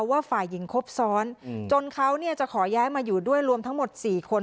ว่าฝ่ายหญิงครบซ้อนจนเขาจะขอย้ายมาอยู่ด้วยรวมทั้งหมด๔คน